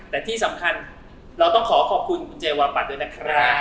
แต่ที่สำคัญเราต้องขอขอบคุณคุณเจวาปัดด้วยนะครับ